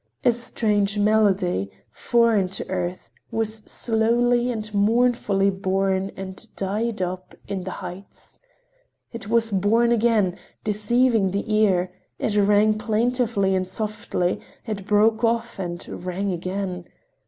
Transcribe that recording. A strange melody, foreign to earth, was slowly and mournfully born and died out up in the heights. It was born again; deceiving the ear, it rang plaintively and softly—it broke off—and rang again.